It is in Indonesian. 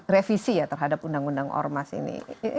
revisi ya terhadap undang undang ormas ini